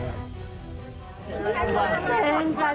คุณพ่อเอามาจากไหน